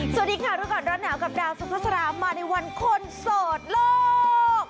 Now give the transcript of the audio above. สวัสดีค่ะรู้ก่อนร้อนหนาวกับดาวสุภาษามาในวันคนโสดโลก